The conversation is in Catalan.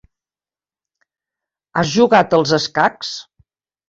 Has jugat als escacs?